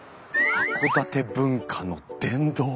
函館文化の殿堂！？